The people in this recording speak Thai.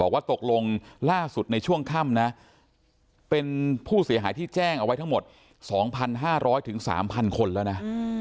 ว่าตกลงล่าสุดในช่วงค่ำนะเป็นผู้เสียหายที่แจ้งเอาไว้ทั้งหมด๒๕๐๐๓๐๐คนแล้วนะ